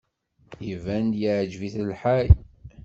Iban-d yeɛjeb-it lḥal.